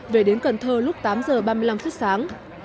về đến cần thơ lúc tám giờ ba mươi năm phút sáng